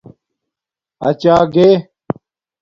اچاگّے